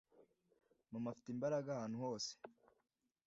mama ufite imbaraga ahantu hose